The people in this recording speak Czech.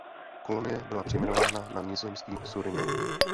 Kolonie byla přejmenována na nizozemský Surinam.